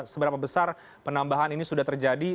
seberapa besar penambahan ini sudah terjadi